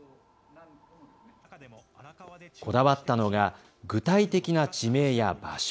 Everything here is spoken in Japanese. こだわったのが具体的な地名や場所。